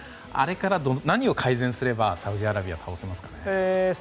あれから何を改善すればサウジアラビアを倒せますか？